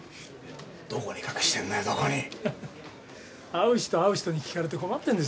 会う人会う人に聞かれて困ってんですよ。